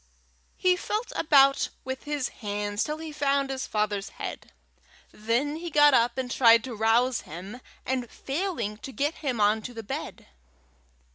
He felt about with his hands till he found his father's head. Then he got up and tried to rouse him, and failing, to get him on to the bed.